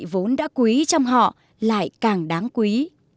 vốn đã quý trong họ lại càng đáng quý